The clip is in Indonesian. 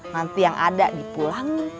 nanti yang ada dipulang